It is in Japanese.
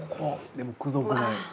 でもくどくない。